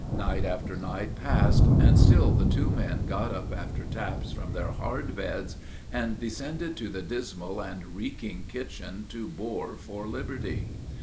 Night after night passed, and still the two men got up after taps from their hard beds, and descended to the dismal and reeking kitchen to bore for liberty.